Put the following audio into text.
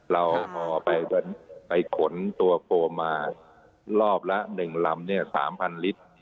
เราเอาไปขนตัวโฟมมารอบละ๑ลำเนี่ย๓๐๐๐ลิตร